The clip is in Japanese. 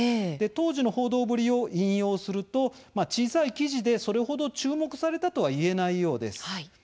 当時の報道ぶりを引用すると小さい記事で、それ程注目されたとはいえないようです。